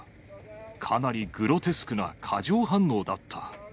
かなりグロテスクな過剰反応だった。